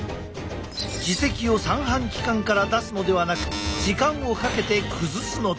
耳石を三半規管から出すのではなく時間をかけて崩すのだ。